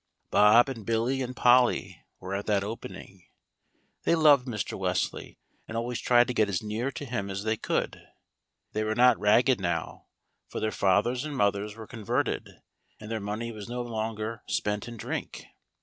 Bob, and Billy, and Polly were at that opening; they loved Mr. Wesley, and always tried to get as near to him as they could. They were not ragged now, for their fathers and mothers were converted, and their money was no longer spent in drink.